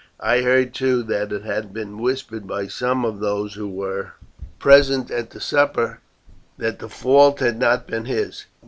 I heard too that it had been whispered by some of those who were present at the supper, that the fault had not been his.